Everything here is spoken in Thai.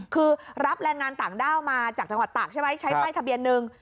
คือรับแรงงานต่างด้าวมาจากจังหวัดตากใช่ไหมใช้ป้ายทะเบียนหนึ่ง